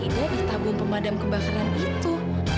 tapi tabung pemadam kebakaran itu